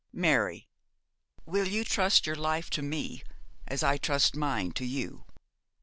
Mary, will you trust your life to me, as I trust mine to you.